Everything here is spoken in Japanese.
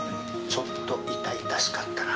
ちょっと痛々しかったな。